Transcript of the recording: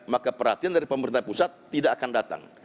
maka perhatian dari pemerintah pusat tidak akan datang